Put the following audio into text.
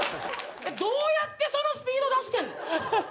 どうやってそのスピード出してんの？